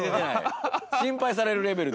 ◆心配されるレベルで。